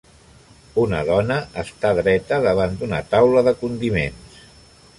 Una dona està dreta davant d'una taula de condiments.